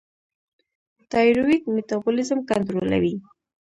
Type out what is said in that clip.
تایرویډ میټابولیزم کنټرولوي.